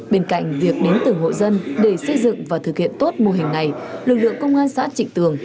bên cạnh việc đến từng hộ dân để xây dựng và thực hiện tốt mô hình này lực lượng công an xã trịnh tường